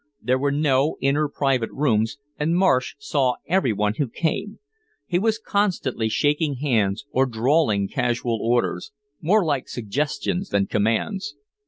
There were no inner private rooms and Marsh saw everyone who came. He was constantly shaking hands or drawling casual orders, more like suggestions than commands.